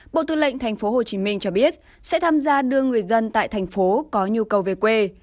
bộ tư lệnh thành phố hồ chí minh cho biết sẽ tham gia đưa người dân tại thành phố có nhu cầu về quê